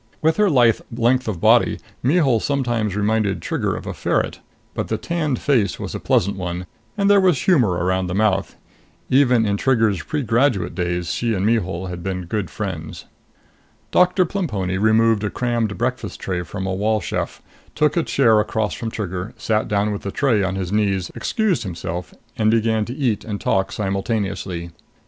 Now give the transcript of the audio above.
With her lithe length of body, Mihul sometimes reminded Trigger of a ferret, but the tanned face was a pleasant one and there was humor around the mouth. Even in Trigger's pregraduate days, she and Mihul had been good friends. Doctor Plemponi removed a crammed breakfast tray from a wall chef, took a chair across from Trigger, sat down with the tray on his knees, excused himself, and began to eat and talk simultaneously.